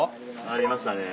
あありましたね。